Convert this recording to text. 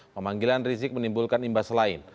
pemanggilan rizik menimbulkan imbas lain